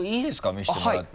見せてもらって。